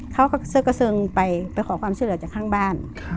เขาก็เสื้อกระเซิงไปไปขอความช่วยเหลือจากข้างบ้าน